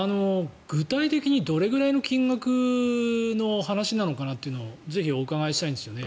具体的にどれぐらいの金額の話なのかなというのをぜひお伺いしたいんですよね。